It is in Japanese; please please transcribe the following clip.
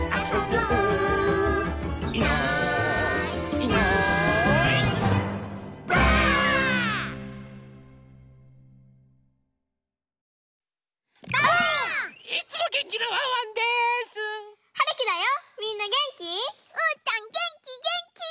うーたんげんきげんき！